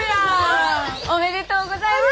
おめでとうございます！